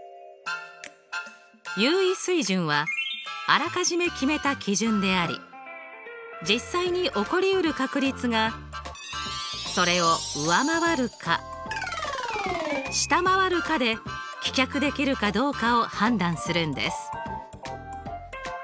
有意水準はあらかじめ決めた基準であり実際に起こりうる確率がそれを上回るか下回るかで棄却できるかどうかを判断するんです。